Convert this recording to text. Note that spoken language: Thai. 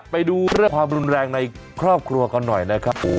ไปดูเรื่องความรุนแรงในครอบครัวกันหน่อยนะครับ